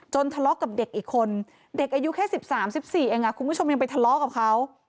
ทะเลาะกับเด็กอีกคนเด็กอายุแค่๑๓๑๔เองคุณผู้ชมยังไปทะเลาะกับเขา